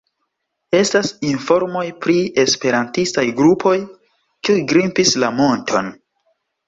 Estas informoj pri esperantistaj grupoj, kiuj grimpis la monton.